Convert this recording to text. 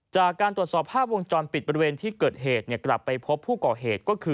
จากการตรวจสอบภาพวงจรปิดบริเวณที่เกิดเหตุกลับไปพบผู้ก่อเหตุก็คือ